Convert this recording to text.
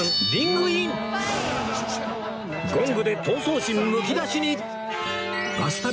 ゴングで闘争心むき出しに！